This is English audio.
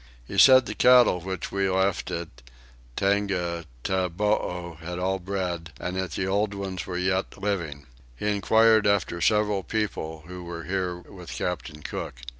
He said that the cattle which we had left at Tongataboo had all bred, and that the old ones were yet living. He enquired after several people who were here with Captain Cook.